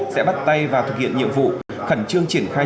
sẽ bắt tay vào thực hiện nhiệm vụ khẩn trương triển khai